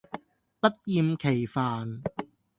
不厭其煩